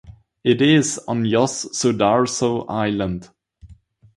It is on Yos Sudarso Island.